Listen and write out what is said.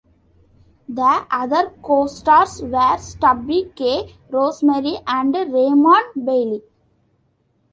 The other co-stars were Stubby Kaye, Rose Marie and Raymond Bailey.